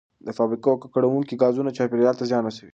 د فابریکو ککړونکي ګازونه چاپیریال ته زیان رسوي.